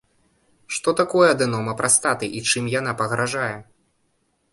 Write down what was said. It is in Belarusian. Што такое адэнома прастаты і чым яна пагражае?